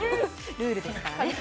ルールですからね。